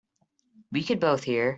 We can both hear.